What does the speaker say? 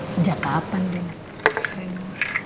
sejak kapan ini